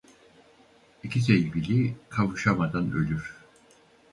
İki sevgili kavuşamadan ölür.